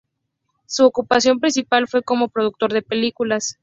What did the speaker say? Su ocupación principal fue como productor de películas.